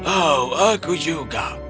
oh aku juga